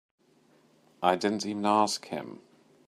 I didn't even ask him.